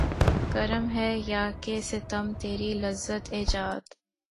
کرم ہے یا کہ ستم تیری لذت ایجاد